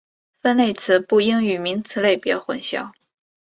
分类词不应与名词类别混淆。